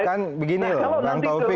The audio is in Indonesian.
kan begini loh bang taufik